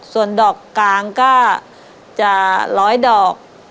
ส่วนดอกกลางก็จะร้อยดอก